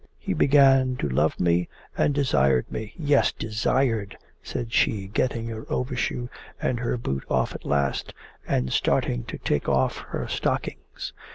He began to love me and desired me. Yes desired!' said she, getting her overshoe and her boot off at last and starting to take off her stockings.